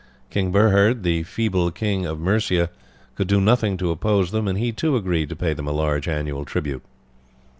King Burhred, the feeble King of Mercia, could do nothing to oppose them, and he too agreed to pay them a large annual tribute.